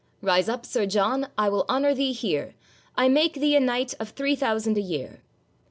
'Rise up, Sir John, I will honour thee here,— I make thee a knight of three thousand a year!